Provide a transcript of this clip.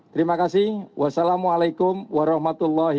terima kasih wassalamualaikum warahmatullahi wabarakatuh